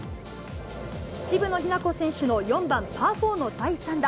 渋野日向子選手の４番パー４の第３打。